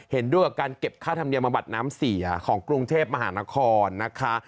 เห็นด้วยกับการเก็บค่าธรรมเนียมบัตรน้ำเสียของกรุงเทพมหานครนะคะ